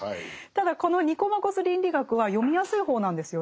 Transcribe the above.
ただこの「ニコマコス倫理学」は読みやすい方なんですよね。